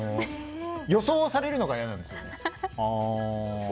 予想されるのが嫌なんですよ。